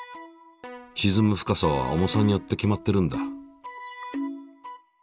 しずむ深さは重さによって決まっているんだ。